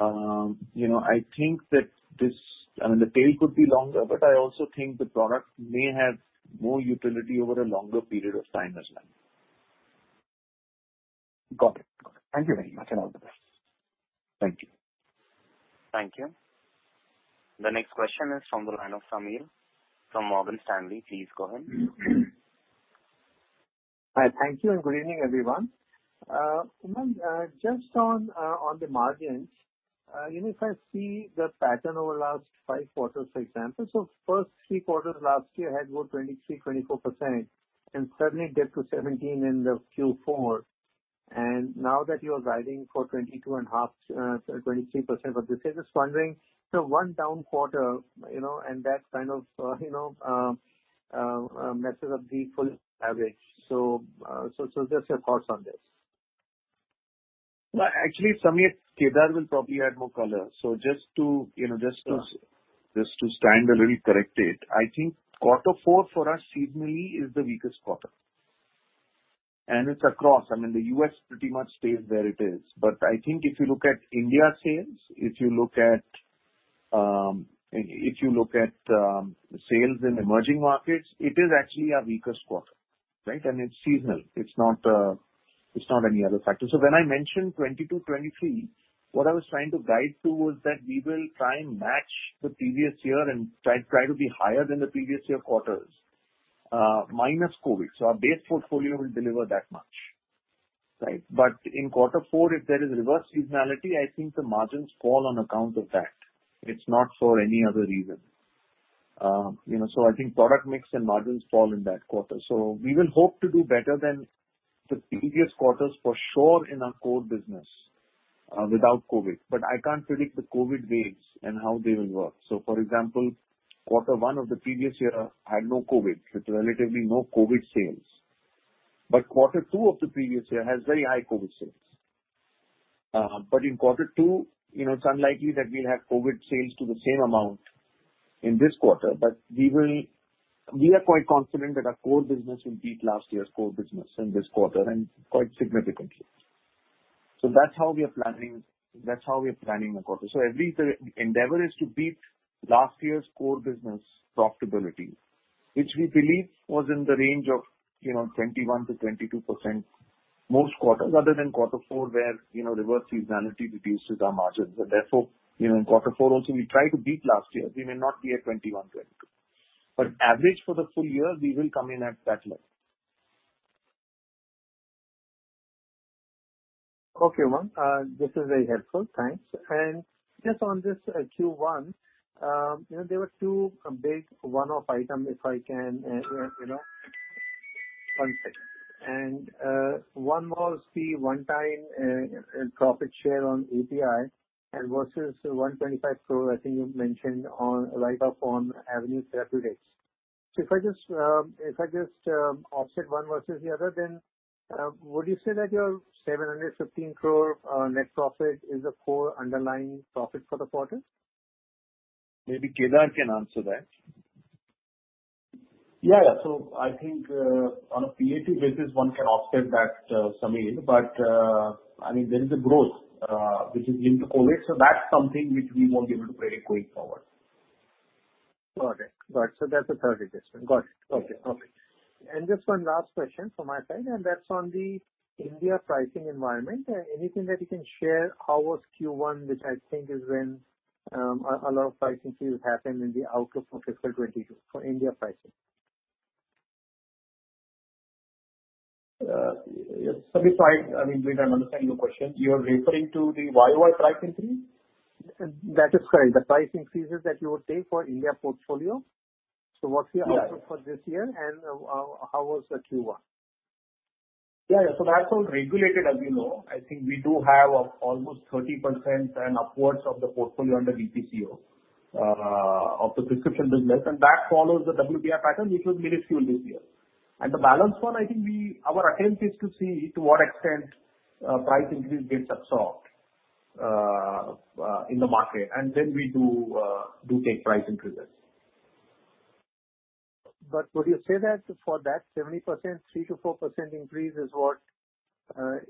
I think that this, I mean, the tail could be longer, but I also think the product may have more utility over a longer period of time as well. Got it. Thank you very much. All the best. Thank you. Thank you. The next question is from the line of Sameer from Morgan Stanley. Please go ahead. Hi. Thank you, and good evening, everyone. Umang Vohra, just on the margins, if I see the pattern over the last five quarters, for example, first three quarters last year had about 23%-24% and suddenly dipped to 17% in the Q4. Now that you are guiding for 22.5%-23% for this year, just wondering, 1 down quarter, and that kind of messes up the full average. Just your thoughts on this. Actually, Sameer, Kedar will probably add more color. Sure Just to stand a little corrected. I think quarter four for us seasonally is the weakest quarter. It's across. I mean, the U.S. pretty much stays where it is. I think if you look at India sales, if you look at sales in emerging markets, it is actually our weakest quarter. Right? It's seasonal. It's not any other factor. When I mentioned FY 2022, FY 2023, what I was trying to guide to was that we will try and match the previous year and try to be higher than the previous year quarters, minus COVID. Our base portfolio will deliver that much. Right? In quarter four, if there is reverse seasonality, I think the margins fall on account of that. It's not for any other reason. I think product mix and margins fall in that quarter. We will hope to do better than the previous quarters for sure in our core business without COVID. I can't predict the COVID waves and how they will work. For example, quarter one of the previous year had no COVID, with relatively no COVID sales. Quarter two of the previous year has very high COVID sales. In quarter two, it's unlikely that we'll have COVID sales to the same amount in this quarter, but we are quite confident that our core business will beat last year's core business in this quarter, and quite significantly. That's how we are planning the quarter. At least the endeavor is to beat last year's core business profitability, which we believe was in the range of 21%-22% most quarters, other than quarter four, where reverse seasonality reduces our margins. Therefore, in quarter four also, we try to beat last year. We may not be at 21, 22. Average for the full year, we will come in at that level. Okay, Umang. This is very helpful. Thanks. Just on this Q1, there were two big one-off items, if I can one second. One was the one-time profit share on API and versus the ₹125 crore, I think you mentioned, on write-up on Avenue Therapeutics. If I just offset 1 versus the other, then would you say that your ₹715 crore net profit is the core underlying profit for the quarter? Maybe Kedar Upadhye can answer that. Yeah. I think on a P&L basis, one can offset that, Sameer. There is a growth which is linked to COVID, so that's something which we won't be able to predict going forward. Got it. Right. That's a fair assessment. Got it. Okay. Just one last question from my side, and that's on the India pricing environment. Anything that you can share? How was Q1, which I think is when a lot of pricing fees happen in the outlook for fiscal 2022 for India pricing. Sorry. I mean, we don't understand your question. You are referring to the YOY pricing fee? That is correct. The pricing fees that you would take for India portfolio. Yes. Outlook for this year and how was the Q1? Yeah. That's all regulated, as you know. I think we do have almost 30% and upwards of the portfolio under DPCO of the prescription business. That follows the WPI pattern, which was minuscule this year. The balance 1, I think our attempt is to see to what extent a price increase gets absorbed in the market, and then we do take price increases. Would you say that for that 70%, 3%-4% increase is what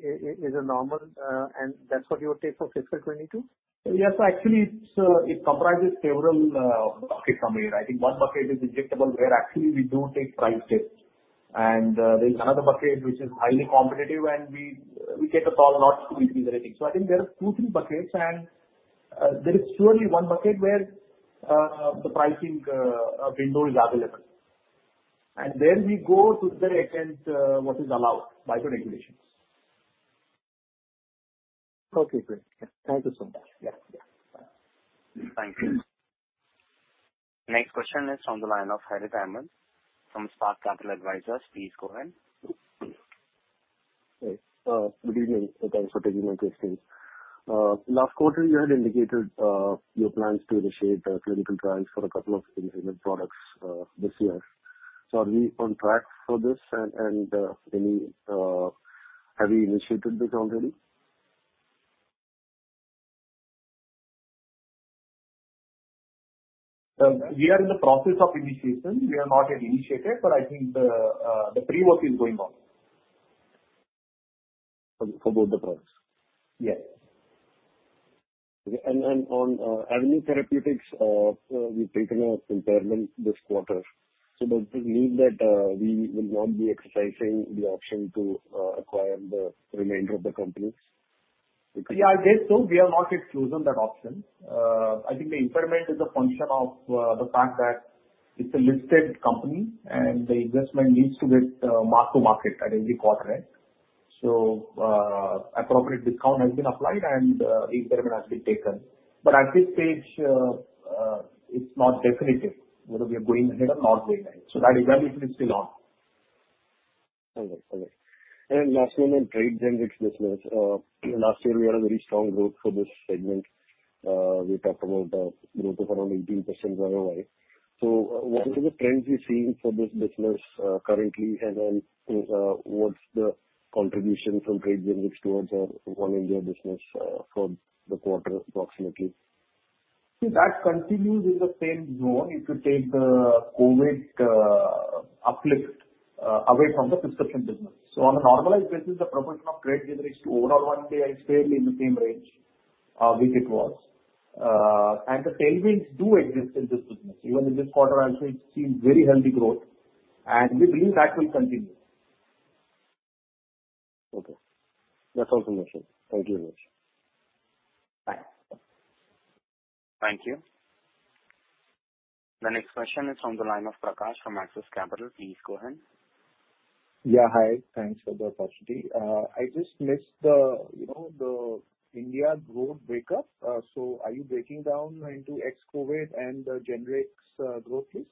is normal, and that's what you would take for FY 2022? Yes. Actually, it comprises several buckets, Sameer. I think one bucket is injectable, where actually we do take price hits. There is another bucket which is highly competitive and we get a call not to increase the rating. I think there are two, three buckets, and there is surely one bucket where the pricing window is available. There we go to the extent what is allowed by the regulations. Okay, great. Thank you so much. Yeah. Thank you. Next question is on the line of Harith Ahamed from Spark Capital Advisors. Please go ahead. Hey. Good evening. Thanks for taking my questions. Last quarter you had indicated your plans to initiate clinical trials for a couple of ingredient products this year. Are we on track for this and have you initiated this already? We are in the process of initiation. We have not yet initiated, but I think the pre-work is going on. For both the products? Yes. Okay. On Avenue Therapeutics, you've taken an impairment this quarter, does this mean that we will not be exercising the option to acquire the remainder of the company? Yeah, I guess so. We have not yet chosen that option. I think the impairment is a function of the fact that it's a listed company and the investment needs to get mark to market at every quarter end. Appropriate discount has been applied and impairment has been taken. At this stage, it's not definitive whether we are going ahead or not going ahead. That evaluation is still on. Okay. Last one on trade generics business. Last year we had a very strong growth for this segment. We talked about a growth of around 18% Y-O-Y. What are the trends you're seeing for this business currently and then what's the contribution from trade generics towards our whole India business for the quarter approximately? See, that continues in the same zone if you take the COVID uplift away from the prescription business. On a normalized basis, the proportion of trade generics to overall One India is fairly in the same range which it was. The tailwinds do exist in this business. Even in this quarter also it's seen very healthy growth and we believe that will continue. Okay. That's all from my side. Thank you very much. Bye. Thank you. The next question is on the line of Prakash from Axis Capital. Please go ahead. Yeah. Hi, thanks for the opportunity. I just missed the India growth breakup. Are you breaking down into ex-COVID and generics growth please?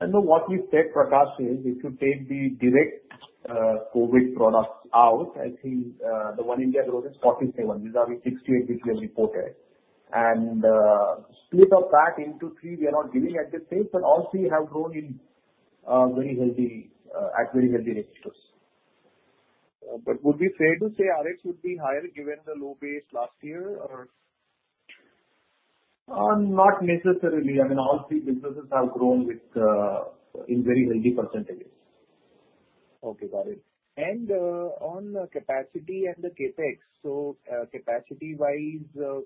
I know what we said, Prakash, is if you take the direct COVID products out, I think the one is 47. These are the 68 which we have reported. Split of that into three, we are not giving at this stage, but [inaudible] have grown at very healthy registers. Would we fair to say Rx would be higher given the low base last year or? Not necessarily. All three businesses have grown in very healthy percentages. Okay, got it. On capacity and the CapEx. Capacity-wise,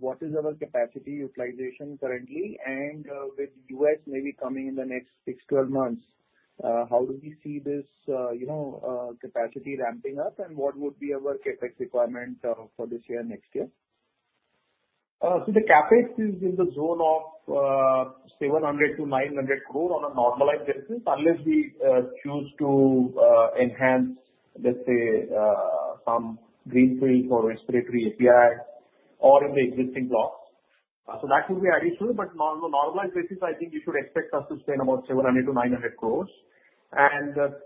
what is our capacity utilization currently? With U.S. maybe coming in the next six, 12 months, how do we see this capacity ramping up and what would be our CapEx requirement for this year, next year? The CapEx is in the zone of 700-900 crore on a normalized basis, unless we choose to enhance, let's say, some greenfield for respiratory API or in the existing blocks. That will be additional, but on a normalized basis, I think you should expect us to spend about 700-900 crore.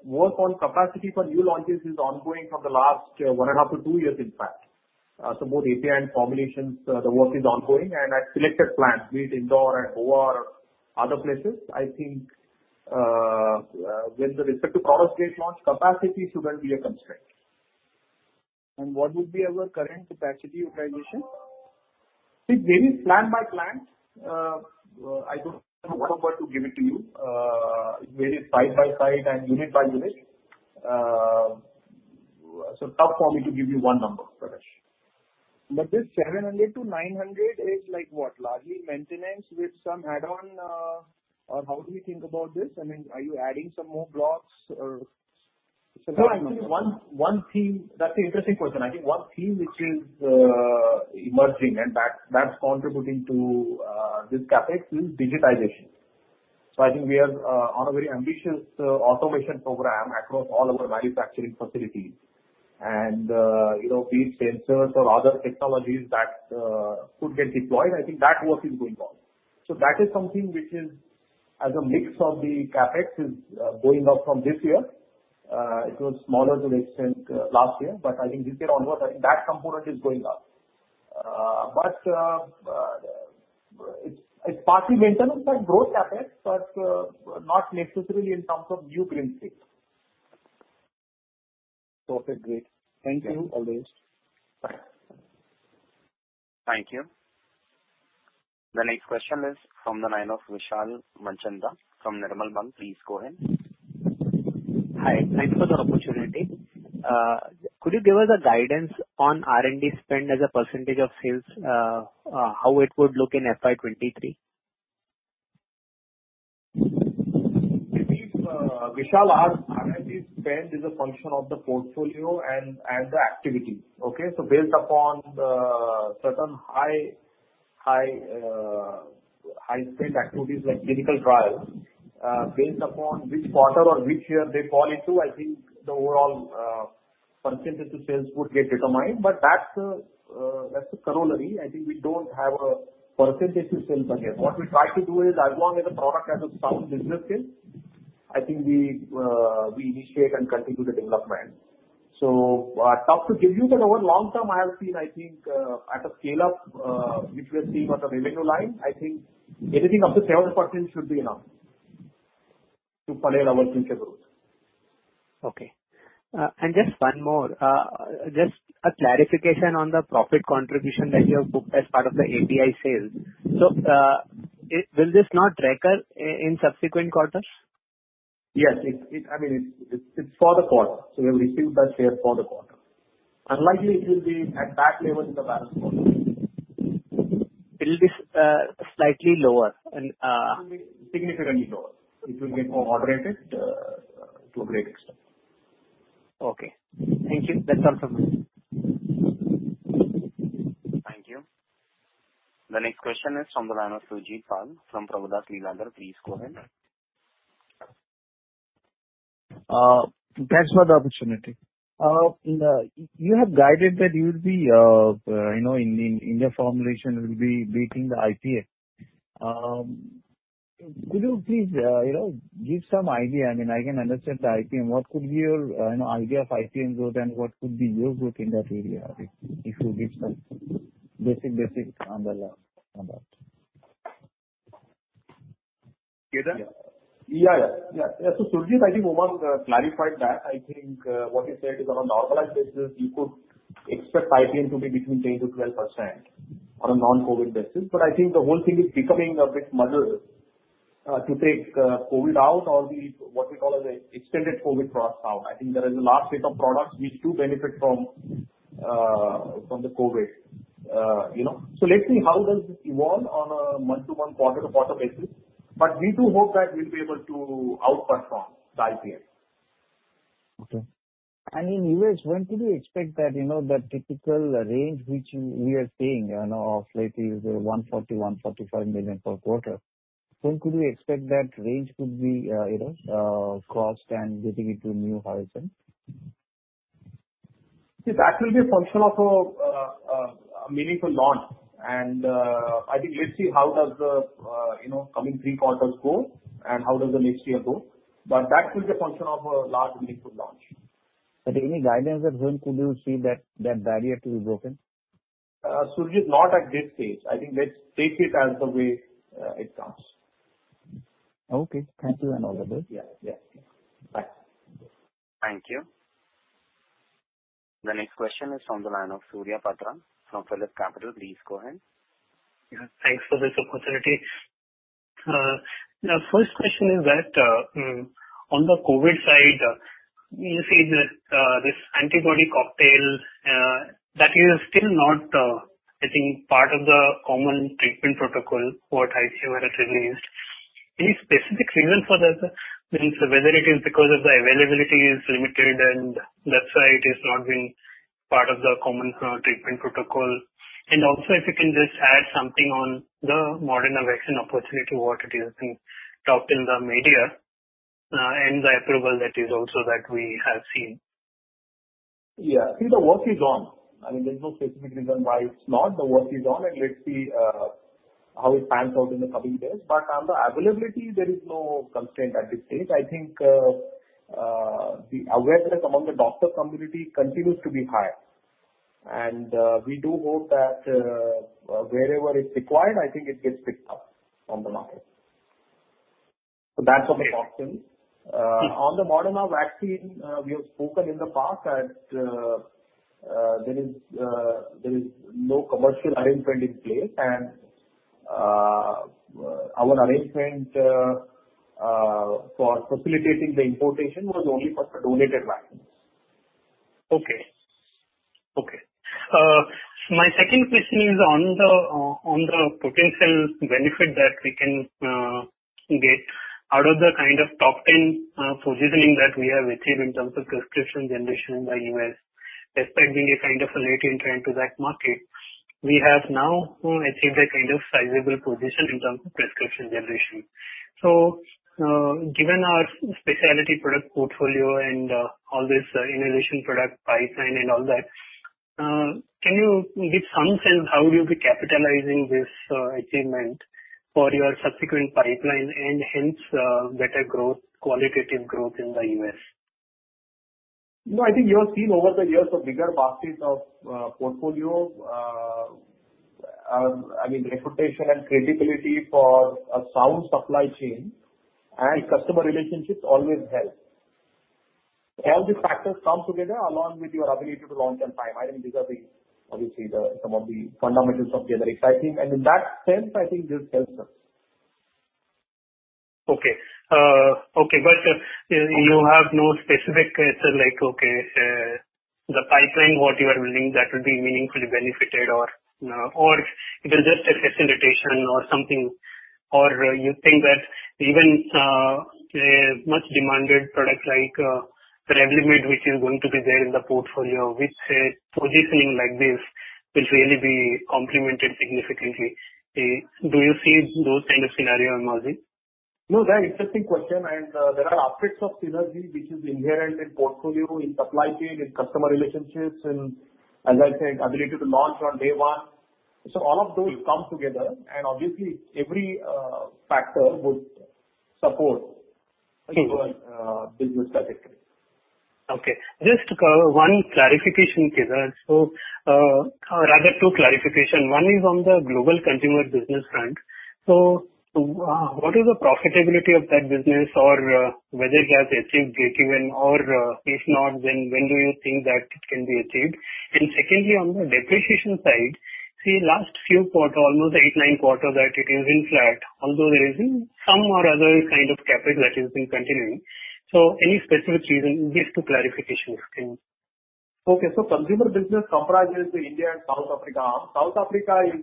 Work on capacity for new launches is ongoing from the last 1.5-two years, in fact. Both API and formulations, the work is ongoing and at selected plants, be it Indore and Goa or other places. I think with respect to portfolio launch capacity should not be a constraint. What would be our current capacity utilization? It varies plant by plant. I don't have a number to give it to you. It varies site by site and unit by unit. Tough for me to give you one number, Prakash. This 700-900 is what? Largely maintenance with some add-on, or how do we think about this? Are you adding some more blocks or? That's an interesting question. I think one theme which is emerging and that's contributing to this CapEx is digitization. I think we are on a very ambitious automation program across all our manufacturing facilities. These sensors or other technologies that could get deployed, I think that work is going on. That is something which is as a mix of the CapEx is going up from this year. It was smaller to an extent last year, but I think this year onwards, I think that component is going up. It's partly maintenance and growth CapEx, but not necessarily in terms of new greenfield. Okay, great. Thank you. Thank you. Always. Thank you. The next question is from the line of Vishal Manchanda from Nirmal Bang. Please go ahead. Hi. Thank you for the opportunity. Could you give us a guidance on R&D spend as a % of sales, how it would look in FY 2023? Vishal, our R&D spend is a function of the portfolio and the activity. Okay? Based upon certain high spend activities like clinical trials. Based upon which quarter or which year they fall into, I think the overall percentage of sales would get determined, but that's a corollary. I think we don't have a percentage of sales against. What we try to do is, as long as a product has a sound business case, I think we initiate and continue the development. Tough to give you, but over long term, I have seen, I think at a scale-up, which we are seeing on the revenue line, I think anything up to 7% should be enough to. Okay. Just one more. Just a clarification on the profit contribution that you have booked as part of the API sales. Will this not recur in subsequent quarters? Yes. It's for the quarter, so we have received that sale for the quarter. Unlikely it will be at that level in the balance quarter. It will be slightly lower and- Significantly lower. It will be more moderated to a great extent. Okay. Thank you. That's all from me. Thank you. The next question is from the line of Surajit Pal from Prabhudas Lilladher. Please go ahead. Thanks for the opportunity. You have guided that India formulation will be beating the IPM. Could you please give some idea, I can understand the IPM, what could be your idea of IPM growth and what could be your growth in that area if you give some basic about? Data? Yeah. Yeah. Surajit, I think Umang Vohra clarified that. I think what he said is on a normalized basis, you could expect IPM to be between 10-12% on a non-COVID basis. I think the whole thing is becoming a bit muddled. To take COVID out or the, what we call as a extended COVID products out, I think there is a large set of products which do benefit from the COVID. Let's see how does this evolve on a month-to-month, quarter-to-quarter basis, but we do hope that we'll be able to outperform the IPM. Okay. In U.S., when could we expect that typical range which we are seeing of slightly $140 million-$145 million per quarter, when could we expect that range could be crossed and getting into a new horizon? See, that will be a function of a meaningful launch. I think let's see how does the coming three quarters go and how does the next year go. That will be a function of a large meaningful launch. Any guidance when could you see that barrier to be broken? Surajit, not at this stage. I think let's take it as the way it comes. Okay. Thank you and all the best. Yeah. Bye. Thank you. The next question is on the line of Surya Patra from PhillipCapital. Please go ahead. Yeah, thanks for this opportunity. My first question is that on the COVID side, you see that this antibody cocktail that is still not, I think, part of the common treatment protocol for ICU that are released. Any specific reason for that, sir? Whether it is because of the availability is limited and that's why it is not being part of the common treatment protocol. Also, if you can just add something on the Moderna vaccine opportunity, what it is being talked in the media and the approval that is also that we have seen. I think the work is on. There's no specific reason why it's not. The work is on, and let's see how it pans out in the coming days. On the availability, there is no constraint at this stage. I think the awareness among the doctor community continues to be high. We do hope that wherever it's required, I think it gets picked up on the market. That's on the vaccine. On the Moderna vaccine, we have spoken in the past that there is no commercial arrangement in place and our arrangement for facilitating the importation was only for the donated vaccines. Okay. My second question is on the potential benefit that we can get out of the kind of top 10 positioning that we have achieved in terms of prescription generation by U.S. Despite being a kind of a late entrant to that market, we have now achieved a kind of sizable position in terms of prescription generation. Given our specialty product portfolio and all this innovation product pipeline and all that, can you give some sense how you'll be capitalizing this achievement for your subsequent pipeline and hence better qualitative growth in the U.S.? No, I think you have seen over the years the bigger baskets of portfolio. Reputation and credibility for a sound supply chain and customer relationships always help. All these factors come together along with your ability to launch on time. I think these are obviously some of the fundamentals of generics, I think. In that sense, I think this helps us. Okay. You have no specific answer like, okay, the pipeline, what you are willing that will be meaningfully benefited or it is just a facilitation or something. You think that even much demanded product like the REVLIMID, which is going to be there in the portfolio, which a positioning like this will really be complemented significantly. Do you see those kind of scenario emerging? No, very interesting question. There are aspects of synergy which is inherent in portfolio, in supply chain, in customer relationships and as I said, ability to launch on day one. All of those come together and obviously every factor would support your business trajectory. Okay. Just one clarification, Kedar. Rather two clarifications. One is on the global consumer business front. What is the profitability of that business or whether it has achieved breakeven or if not, then when do you think that it can be achieved? Secondly, on the depreciation side, see last few quarters, almost eight, nine quarters that it is in flat, although there is some or other kind of CapEx that is been continuing. Any specific reason? These two clarifications. Okay. Consumer business comprises the India and South Africa arm. South Africa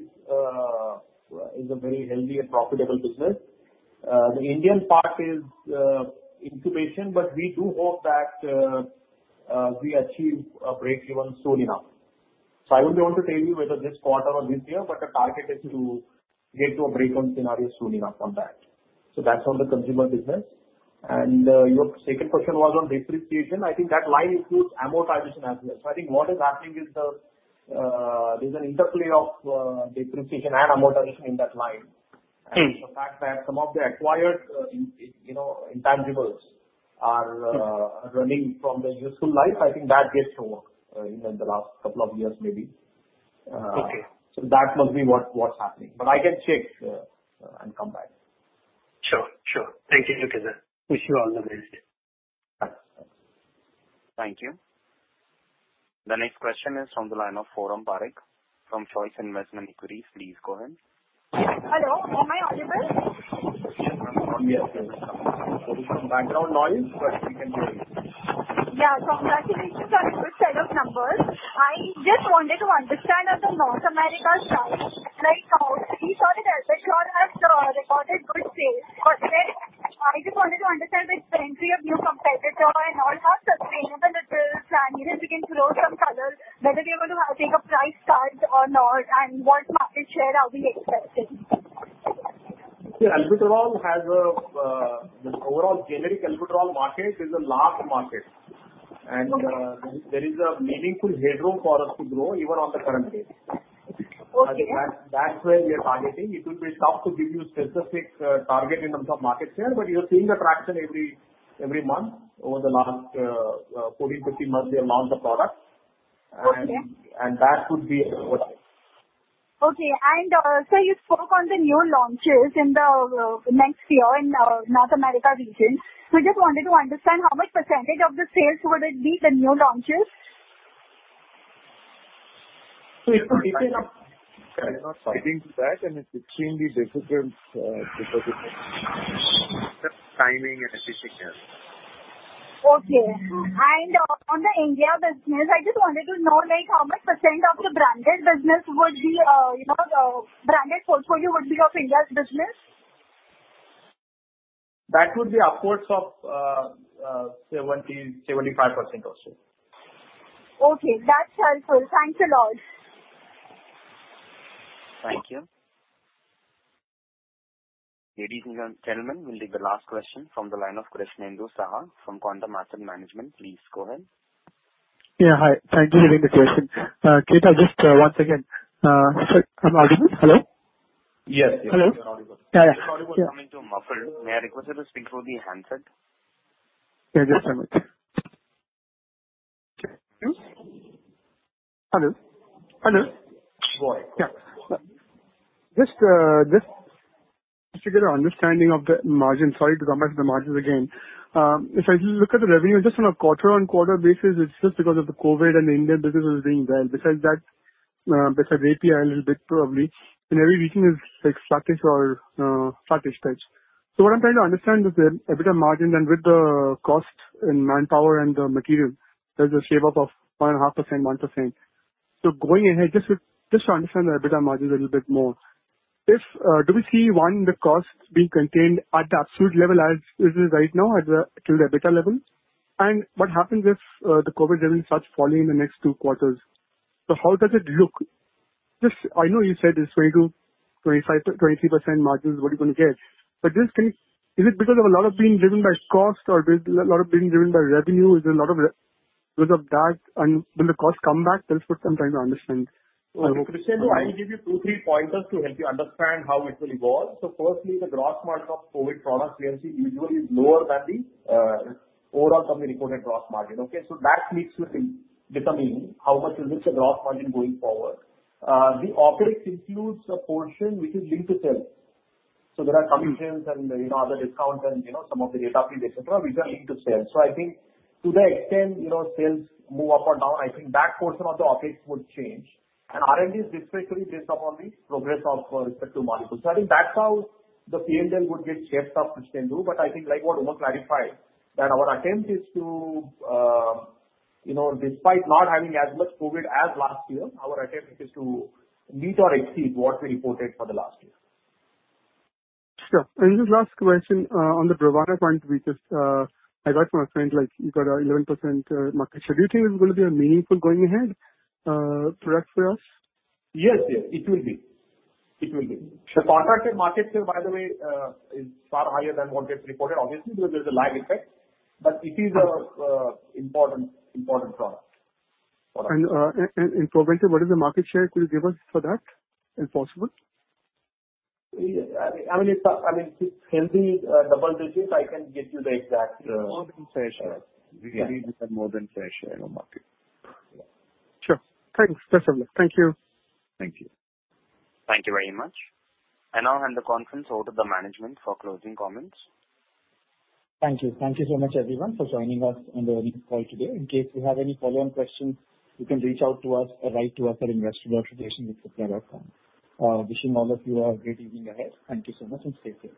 is a very healthy and profitable business. The Indian part is incubation, but we do hope that we achieve a breakeven soon enough. I won't be able to tell you whether this quarter or this year, but the target is to get to a breakeven scenario soon enough on that. That's on the consumer business. Your second question was on depreciation. I think that line includes amortization as well. I think what is happening is there's an interplay of depreciation and amortization in that line. The fact that some of the acquired intangibles are running from the useful life, I think that gets over in the last two years maybe. Okay. That must be what's happening. I can check and come back. Sure. Thank you, Kedar. Wish you all the best. Thanks. Thank you. The next question is on the line of Foram Parekh from Choice Institutional Equity. Please go ahead. Hello, am I audible? Yes, ma'am. Yes. There is some background noise, but we can hear you. Yeah. Congratulations on a good set of numbers. I just wanted to understand on the North America side, like how we saw that albuterol has recorded good sales. I just wanted to understand with the entry of new competitor and all, how sustainable it will and even we can throw some color whether they are going to take a price cut or not, and what market share are we expecting? See, albuterol has an overall generic albuterol market is a large market. Okay. There is a meaningful headroom for us to grow even on the current base. Okay. That's where we are targeting. It will be tough to give you specific target in terms of market share, but you're seeing the traction every month over the last 14, 15 months we have launched the product. Okay. That would be over time. Okay. Sir, you spoke on the new launches in the next year in North America region. I just wanted to understand how much percentage of the sales would it be the new launches? We're not guiding to that, and it's extremely difficult because it takes timing and everything here. Okay. On the India business, I just wanted to know how much percentage of the branded portfolio would be of India's business? That would be upwards of 75% or so. Okay. That's helpful. Thanks a lot. Thank you. Ladies and gentlemen, we'll take the last question from the line of Krishnendu Saha from Quantum Asset Management. Please go ahead. Yeah. Hi. Thank you for taking the question. Kedar. Sir, I'm audible? Hello? Yes. Hello. You're audible. Yeah. Your audio is coming through muffled. May I request you to speak through the handset? Yeah, just a moment. Okay. Hello? Hello. Go ahead. Yeah. Just to get an understanding of the margin, sorry to come back to the margins again. If I look at the revenue, just on a quarter-on-quarter basis, it is just because of the COVID and the Indian business was doing well. Besides that, besides API a little bit probably, and every region is like sluggish or sluggish types. What I am trying to understand is the EBITDA margin and with the cost in manpower and the material, there is a shape up of 1.5%, 1%. Going ahead, just to understand the EBITDA margin a little bit more. Do we see, one, the costs being contained at the absolute level as it is right now at the EBITDA level? What happens if the COVID revenue starts falling in the next two quarters? How does it look? I know you said it's 22.5%-23% margins is what you're going to get. Is it because of a lot of being driven by cost or a lot of being driven by revenue? Is it a lot of because of that? Will the cost come back? That's what I'm trying to understand. Krishnendu, I'll give you two, three pointers to help you understand how it will evolve. Firstly, the gross margin of COVID products we have seen usually is lower than the overall company reported gross margin. Okay. That needs to be determined how much is this gross margin going forward. The OpEx includes a portion which is linked to sales. There are commissions and other discounts and some of the data feed, et cetera, which are linked to sales. I think to the extent sales move up or down, I think that portion of the OpEx would change. R&D is basically based upon the progress of respective molecules. I think that's how the P&L would get shaped up, Krishnendu, but I think like what Umang clarified, that our attempt is to despite not having as much COVID as last year, our attempt is to meet or exceed what we reported for the last year. Sure. Just last question, on the Brovana point because I got from a friend, you got an 11% market share. Do you think it's going to be a meaningful going ahead product for us? Yes. It will be. The proactive market share, by the way, is far higher than what gets reported obviously, because there's a lag effect, but it is an important product for us. In Proventil, what is the market share could you give us for that, if possible? I mean, it's healthy double digits. I can't give you the. More than fair share. Really, we have more than fair share in the market. Sure. Thanks. That's all. Thank you. Thank you. Thank you very much. I now hand the conference over to the management for closing comments. Thank you. Thank you so much everyone for joining us on the call today. In case you have any follow-on questions, you can reach out to us or write to us at investorrelations@cipla.com. Wishing all of you a great evening ahead. Thank you so much and stay safe.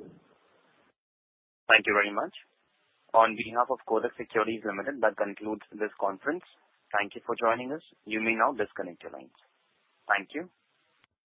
Thank you very much. On behalf of Kotak Securities Limited, that concludes this conference. Thank you for joining us. You may now disconnect your lines. Thank you.